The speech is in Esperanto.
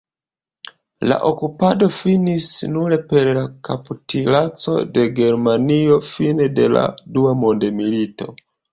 La okupado finis nur per la kapitulaco de Germanio fine de la Dua Mondmilito.